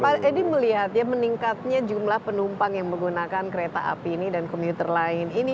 pak edi melihat ya meningkatnya jumlah penumpang yang menggunakan kereta api ini dan komuter lain ini